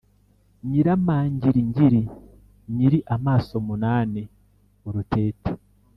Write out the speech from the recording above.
Nyiramangiringiri nyiri amaso munani-Urutete.